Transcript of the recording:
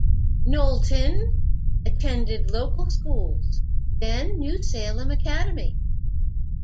Knowlton attended local schools, then New Salem Academy.